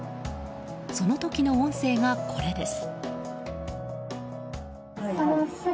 その時の音声がこれです。